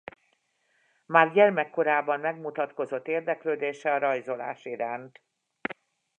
Már gyermekkorában megmutatkozott érdeklődése a rajzolás iránt.